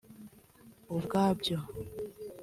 ubwabyo